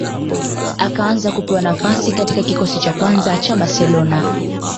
Akaanza kupewa nafasi katika kikosi cha kwanza cha Barcelona